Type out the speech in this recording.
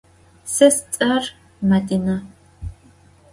Se sts'er Madine.